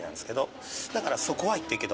だからそこは言っていいけど。